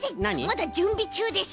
まだじゅんびちゅうです。